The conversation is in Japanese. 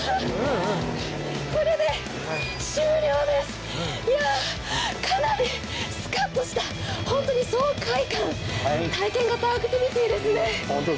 これで終了です、かなりスカッとして、本当に爽快感、体験型アクティビティーですね。